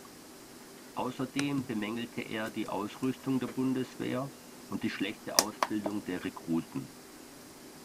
Außerdem bemängelte er die Ausrüstung der Bundeswehr und die schlechte Ausbildung der Rekruten.